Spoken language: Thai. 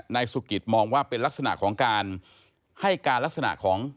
นายสุกิตมองว่าเป็นลักษณะของการให้การลักษณะของ